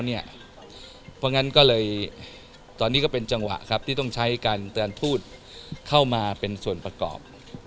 เพราะฉะนั้นก็เลยตอนนี้ก็เป็นจังหวะครับที่ต้องใช้การทูตเข้ามาเป็นส่วนประกอบ